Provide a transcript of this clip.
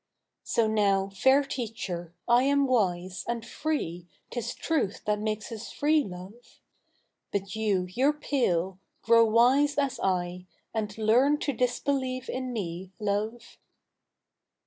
So now, fair teacher, I am wise. And free : Uis truth that makes us free, loi'e. But you— you'' re pale I grow wise as /, And learn to disbelieve in me, love.